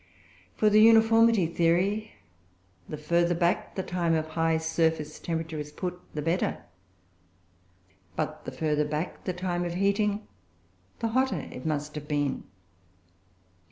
For the uniformity theory, the further back the time of high surface temperature is put the better; but the further back the time of heating, the hotter it must have been.